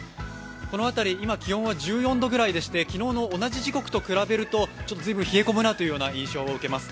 この辺り、気温は１４度ぐらいでして、昨日と同じ時刻と比べると随分冷え込むなという印象を受けます。